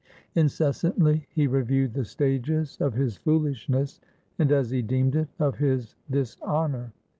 Incessantly he reviewed the stages of his foolishness and, as he deemed it, of his dishonour.